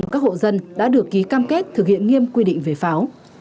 một trăm linh các hộ dân đã được ký cam kết thực hiện nghiêm quy định về pháo